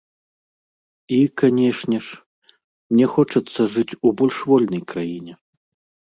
І, канечне ж, мне хочацца жыць у больш вольнай краіне.